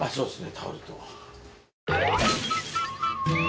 タオルと。